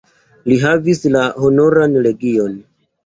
Li havis la Honoran legion.